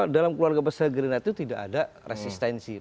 dalam keluarga besar gerindra itu tidak ada resistensi